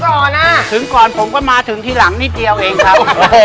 ก่อนนะถึงก่อนผมก็มาถึงทีหลังนิดเดียวเองครับ